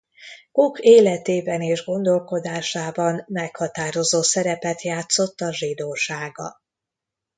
Koch életében és gondolkodásában meghatározó szerepet játszott a zsidósága.